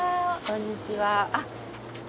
こんにちは。